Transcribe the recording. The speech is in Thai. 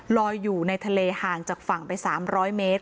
ลอยอยู่ในทะเลห่างจากฝั่งไป๓๐๐เมตร